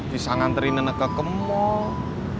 bisa nganterin enak ke kemol